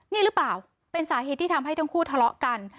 นี่หรือเปล่าเป็นสาเหตุที่ทำให้ทั้งคู่ทะเลาะกัน